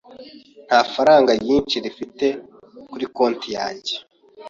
Nta faranga ryinshi mfite kuri konti yanjye.